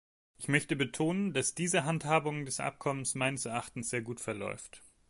Ich möchte betonen, dass diese Handhabung des Abkommens meines Erachtens sehr gut verläuft.